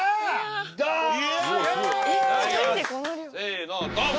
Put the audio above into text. せのドン！